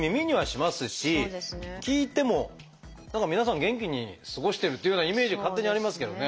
聞いても何か皆さん元気に過ごしてるっていうようなイメージ勝手にありますけどね。